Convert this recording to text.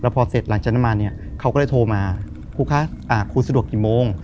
พอเสร็จหลังจากนั้นมาเนี่ยเขาก็เลยโทรมาครูคะครูสะดวกกี่โมง